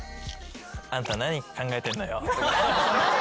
「あんた何考えてんのよ」